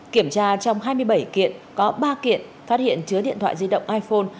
kiểm tra trong hai mươi bảy kiện có ba kiện phát hiện chứa điện thoại di động iphone